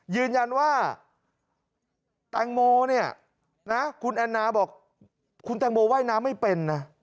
ยืนยันว่าแตงโมเนี่ยนะคุณแอนนาบอกคุณแตงโมว่ายน้ำไม่เป็นนะ